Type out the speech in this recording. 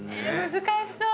難しそう。